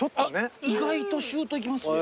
意外とシューッといきますよ。